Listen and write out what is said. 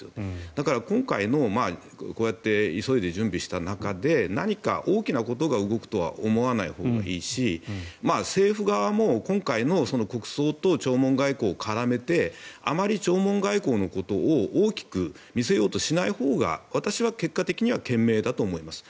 だから、今回のこうやって急いで準備した中で何か大きなことが動くとは思わないほうがいいし政府側も今回の国葬と弔問外交を絡めてあまり弔問外交のことを大きく見せようとしないほうが私は結果的には賢明だと思います。